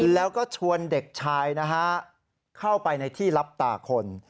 แล้วก็ชวนเด็กชายนะฮะเข้าไปในที่รับตาคน